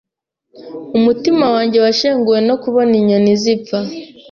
Umutima wanjye washenguwe no kubona inyoni zipfa.